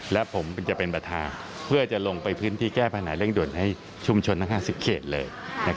และผมจะเป็นประธานเพื่อจะลงไปพื้นที่แก้ปัญหาเร่งด่วนให้ชุมชนทั้ง๕๐เขตเลย